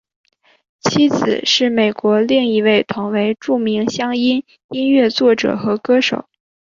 妻子是美国另一位同为著名乡村音乐作者和歌手。